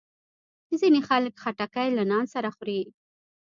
ځینې خلک خټکی له نان سره خوري.